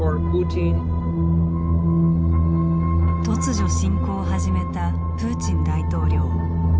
突如、侵攻を始めたプーチン大統領。